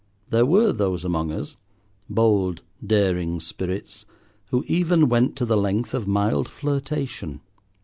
There were those among us—bold daring spirits—who even went to the length of mild flirtation.